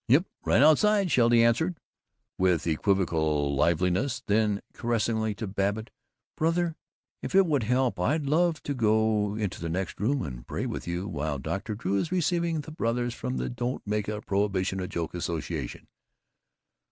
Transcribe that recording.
"Yep, right outside," Sheldy answered, with equal liveliness; then, caressingly, to Babbitt, "Brother, if it would help, I'd love to go into the next room and pray with you while Dr. Drew is receiving the brothers from the Don't Make Prohibition a Joke Association."